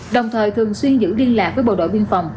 đồng thời thường xuyên giữ liên lạc với bộ đội biên phòng